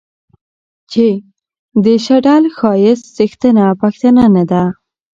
چې د شډل ښايست څښتنه پښتنه نه ده